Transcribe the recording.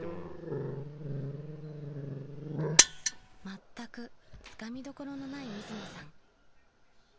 ［まったくつかみどころのない水野さん］